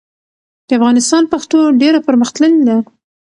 د افغانستان پښتو ډېره پرمختللې ده.